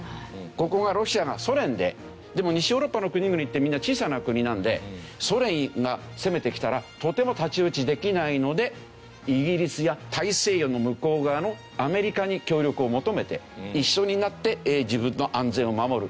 ここがロシアがソ連ででも西ヨーロッパの国々ってみんな小さな国なんでソ連が攻めてきたらとても太刀打ちできないのでイギリスや大西洋の向こう側のアメリカに協力を求めて一緒になって自分の安全を守る。